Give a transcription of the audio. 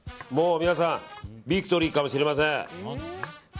もう皆さんビクトリーかもしれません。